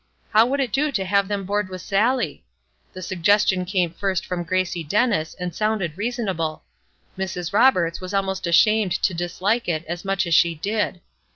How would it do to have them board with Sallie? The suggestion came first from Gracie Dennis, and sounded reasonable. Mrs. Roberts was almost ashamed to dislike it as much as she did.